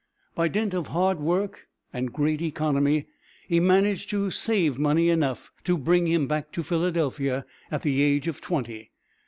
By dint of hard work and great economy, he managed to save money enough to bring him back to Philadelphia, at the age of twenty.